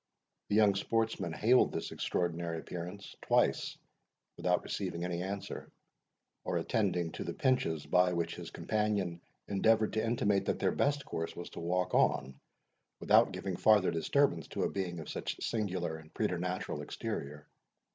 The young sportsman hailed this extraordinary appearance twice, without receiving any answer, or attending to the pinches by which his companion endeavoured to intimate that their best course was to walk on, without giving farther disturbance to a being of such singular and preternatural exterior.